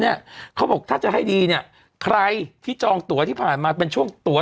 เนี่ยเขาบอกถ้าจะให้ดีเนี่ยใครที่จองตัวที่ผ่านมาเป็นช่วงตัว